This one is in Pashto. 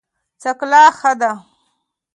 څکلا ښه ده.